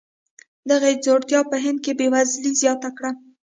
دغې ځوړتیا په هند کې بېوزلي زیاته کړه.